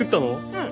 うん。